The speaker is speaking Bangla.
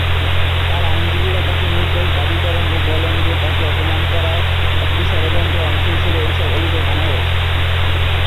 তার আইনজীবীরা তাঁকে নির্দোষ দাবি করেন ও বলেন যে, তাকে অপমান করার একটি ষড়যন্ত্রের অংশ হিসেবে এইসব অভিযোগ আনা হয়েছে।